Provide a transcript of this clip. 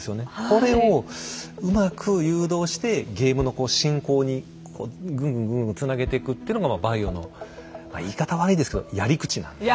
これをうまく誘導してゲームの進行にこうぐんぐんぐんぐんつなげていくっていうのがまあ「バイオ」の言い方悪いですけどやり口なんで。